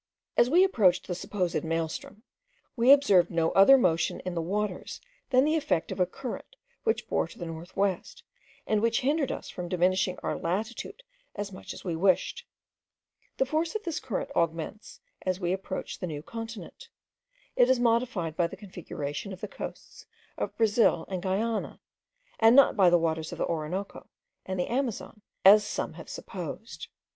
As we approached the supposed Maal stroom, we observed no other motion in the waters than the effect of a current which bore to the north west, and which hindered us from diminishing our latitude as much as we wished. The force of this current augments as we approach the new continent; it is modified by the configuration of the coasts of Brazil and Guiana, and not by the waters of the Orinoco and the Amazon, as some have supposed.